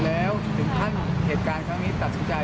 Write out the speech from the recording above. แล้วถึงขั้นเหตุการณ์ครั้งนี้ตัดสินใจ